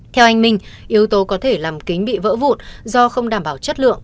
theo anh minh yếu tố có thể làm kính bị vỡ vụn do không đảm bảo chất lượng